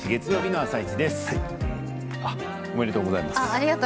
ありがとうございます。